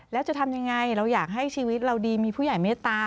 แล้วจะทำยังไงเราอยากให้ชีวิตเราดีมีผู้ใหญ่เมตตา